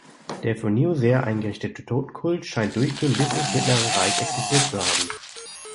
Der für Niuserre eingerichtete Totenkult scheint durchgehend bis ins Mittlere Reich existiert zu haben.